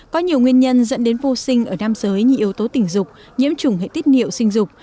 có nhiều nguyên nhân dẫn đến vô sinh ở nam giới như yếu tố tình dục nhiễm chủng hệ tiết niệu sinh dục